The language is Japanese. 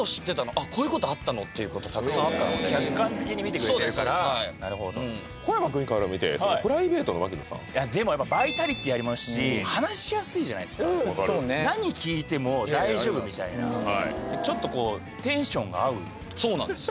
あっこういうことあったの？っていうことたくさんあったので小山くんから見てプライベートの槙野さんでもやっぱバイタリティーありますし話しやすいじゃないですか何聞いても大丈夫みたいなちょっとこうテンションが合うそうなんですよ